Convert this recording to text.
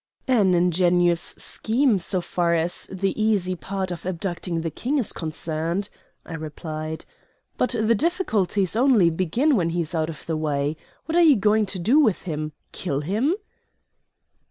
"An ingenious scheme, so far as the easy part of abducting the King is concerned," I replied. "But the difficulties only begin when he is out of the way. What are you going to do with him kill him?"